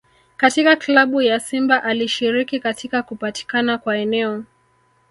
Katika Klabu ya Simba alishiriki katika kupatikana kwa eneo